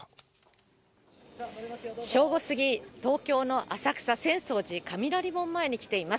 正午過ぎ、東京の浅草、浅草寺雷門前に来ています。